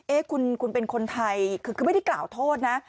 คุณเป็นคนไทยคือไม่ได้กล่าวโทษนะ